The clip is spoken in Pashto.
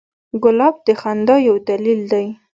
ګلاب د خندا یو دلیل دی.